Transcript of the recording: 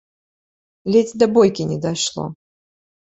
Ледзь да бойкі не дайшло.